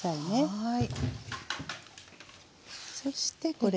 はい。